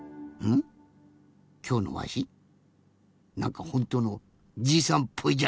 きょうのわしなんかほんとのじいさんっぽいじゃろ。